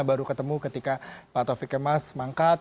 baru ketemu ketika pak taufik kemas mangkat